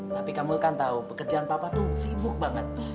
tapi kamu kan tahu pekerjaan papa tuh sibuk banget